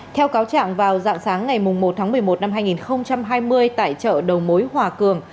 theo cáo trạng vào dạng sáng ngày một tháng một mươi một năm hai nghìn hai mươi tại chợ đầu mối hòa cường